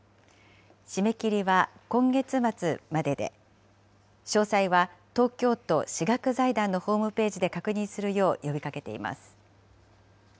締め切りは今月末までで、詳細は、東京都私学財団のホームページで確認するよう呼びかけています。